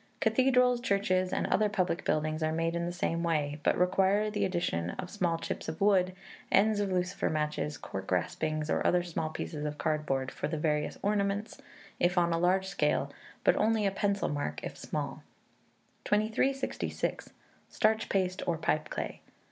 Cathedrals, churches, and other public buildings are made in the same way; but require the addition of small chips of wood, ends of lucifer matches, cork raspings, or small pieces of cardboard, for the various ornaments, if on a large scale, but only a pencil mark if small. 2366. Starch Paste or Pipeclay.